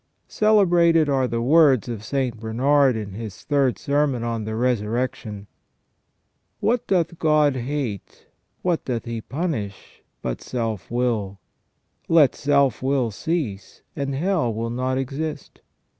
Celebrated are the words of St. Bernard in his 3rd Sermon on the Resurrec tion :" What doth God hate, what doth He punish biit self will ? Let self will cease, and hell will not exist.